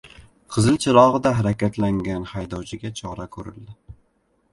Qizil chirog‘ida harakatlangan haydovchiga chora ko‘rildi